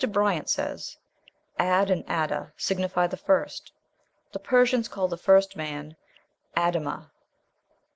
Bryant says, "Ad and Ada signify the first." The Persians called the first man "Ad amah."